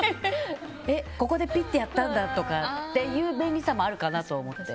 ここでピッてやったんだとかそういう便利さもあるかなと思って。